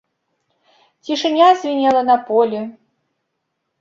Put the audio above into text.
Цішыня звінела на полі.